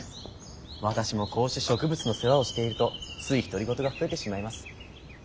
私もこうして植物の世話をしているとつい独り言が増えてしまいます。